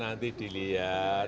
ya nanti dilihat